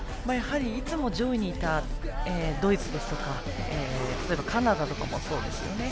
いつも上位にいたドイツですとか例えばカナダとかもそうですよね。